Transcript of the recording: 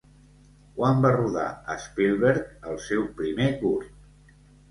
Quan va rodar Spielberg el seu primer curt?